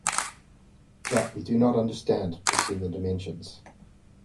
that we do not understand between the dimensions